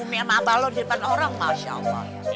umi sama abah lo di depan orang masya allah